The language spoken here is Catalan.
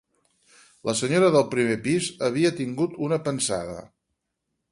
La senyora del primer pis havia tingut una pensada.